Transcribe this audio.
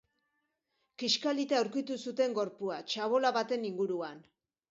Kiskalita aurkitu zuten gorpua, txabola baten inguruan.